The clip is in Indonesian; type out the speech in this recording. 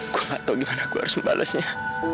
gue gak tau gimana gue harus membalasnya